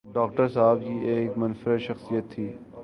Doctor صاحب کی ایک منفرد شخصیت تھی۔